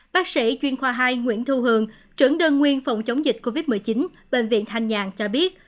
bác sĩ chuyên khoa hai nguyễn thu hường trưởng đơn nguyên phòng chống dịch covid một mươi chín bệnh viện thanh nhàn cho biết